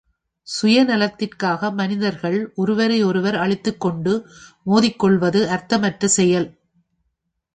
சுய நலத்திற்காக மனிதர்கள் ஒருவரையொருவர் அழித்துக்கொண்டு மோதிக்கொள்வது அர்த்தமற்ற செயல்.